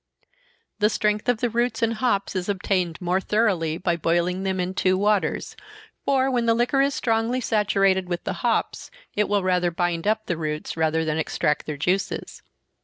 The strength of the roots and hops is obtained more thoroughly by boiling them in two waters for, when the liquor is strongly saturated with the hops, it will rather bind up the roots than extract their juices.